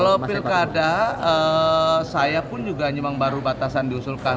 kalau pilkada saya pun juga memang baru batasan diusulkan